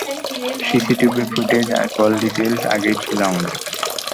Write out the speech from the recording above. CCTV footage আর call details আগেই ছিলো আমাদের কাছে।